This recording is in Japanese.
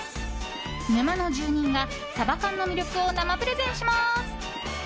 沼の住人がサバ缶の魅力を生プレゼンします。